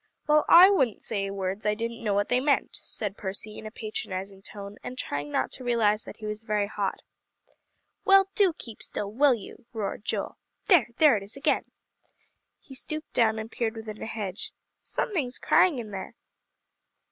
"Well, I wouldn't say words I didn't know what they meant," said Percy in a patronizing tone, and trying not to realize that he was very hot. "Well, do keep still, will you!" roared Joel. "There, there it is again." He stooped down, and peered within a hedge. "Something's crying in here."